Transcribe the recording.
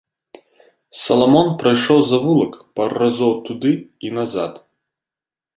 Саламон прайшоў завулак пару разоў туды і назад.